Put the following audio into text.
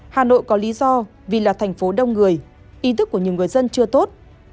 hà nội có lý do vì là thành phố đông người ý thức của nhiều người dân chưa tốt